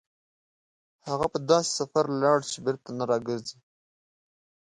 هغه په داسې سفر لاړ چې بېرته نه راګرځي.